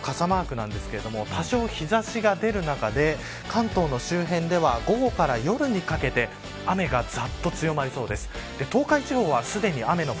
今日は曇りと傘マークなんですが多少、日差しが出る中で関東の周辺では午後から夜にかけて雨がざっと強まりそうです。